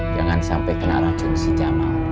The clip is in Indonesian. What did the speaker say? jangan sampai kena racun si jamal